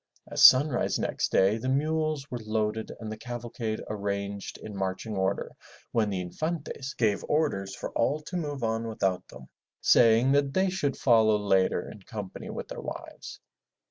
At sunrise next day the mules were loaded and the cavalcade arranged in marching order when the Infantes gave orders for all to move on without them, saying that they should follow later in company with their wives.